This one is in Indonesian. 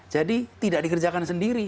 jadi tidak dikerjakan sendiri